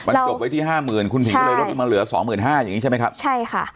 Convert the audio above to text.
มันจบไว้ที่ห้าหมื่นคุณหญิงก็เลยลดลงมาเหลือสองหมื่นห้าอย่างงี้ใช่ไหมครับใช่ค่ะ